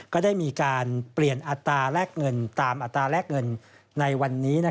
ก็ได้มีการเปลี่ยนอัตราแลกเงินตามอัตราแรกเงินในวันนี้